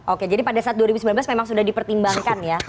oke jadi pada saat dua ribu sembilan belas memang sudah dipertimbangkan ya